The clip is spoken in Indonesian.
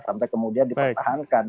sampai kemudian dipertahankan